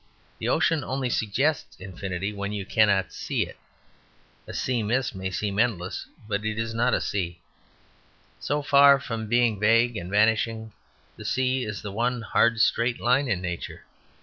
The ocean only suggests infinity when you cannot see it; a sea mist may seem endless, but not a sea. So far from being vague and vanishing, the sea is the one hard straight line in Nature.